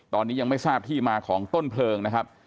ตอนนี้ยังไม่ทราบที่มาของต้นเพลิงนะครับ